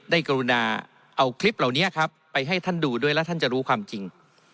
กรุณาเอาคลิปเหล่านี้ครับไปให้ท่านดูด้วยแล้วท่านจะรู้ความจริง